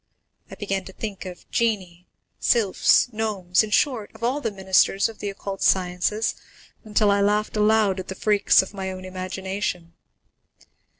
I began to think of genii, sylphs, gnomes, in short, of all the ministers of the occult sciences, until I laughed aloud at the freaks of my own imagination.